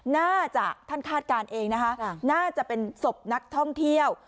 น่าจะท่านคาดการณ์เองนะคะน่าจะเป็นศพนักท่องเที่ยว